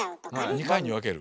２回に分ける？